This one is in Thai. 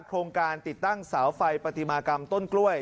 โครงการติดตั้งเสาไฟปฏิมากรรมต้นกล้วย